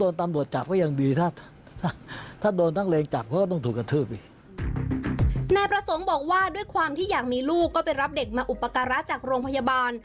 นายประสงค์บอกว่าด้วยความที่อยากมีลูกก็ไปรับเด็กมาอุปการะจากโรงพยาบาล